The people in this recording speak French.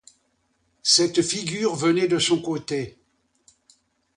Cette figure venait de son côté.